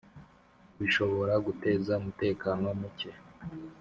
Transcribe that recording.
bishobora guteza umutekano muke